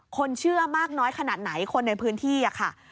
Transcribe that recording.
เชื่อมากน้อยขนาดไหนคนในพื้นที่ค่ะ